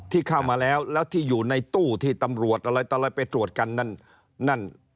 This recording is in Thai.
ที่เข้ามาแล้วแล้วที่อยู่ในตู้ที่ตำรวจอะไรต่ออะไรไปตรวจกันนั่นนั่น